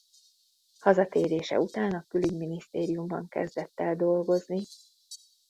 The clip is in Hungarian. Hazatérése után a Külügyminisztériumban kezdett el dolgozni.